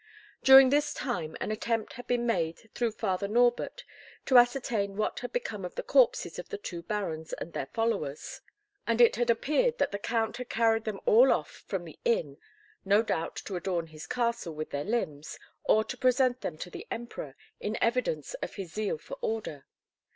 During this time an attempt had been made through Father Norbert to ascertain what had become of the corpses of the two Barons and their followers, and it had appeared that the Count had carried them all off from the inn, no doubt to adorn his castle with their limbs, or to present them to the Emperor in evidence of his zeal for order.